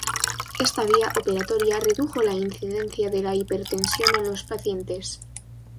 Esta vía operatoria redujo la incidencia de la hipertensión en los pacientes.